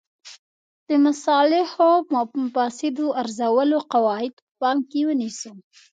د مصالحو او مفاسدو ارزولو قواعد په پام کې ونیسو.